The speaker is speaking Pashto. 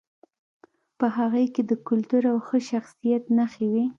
په هغې کې د کلتور او ښه شخصیت نښې وې